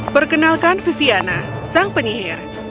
perkenalkan viviana sang penyihir